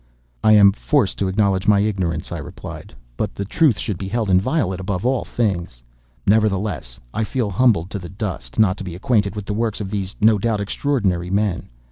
"I am forced to acknowledge my ignorance," I replied; "but the truth should be held inviolate above all things. Nevertheless, I feel humbled to the dust, not to be acquainted with the works of these, no doubt, extraordinary men.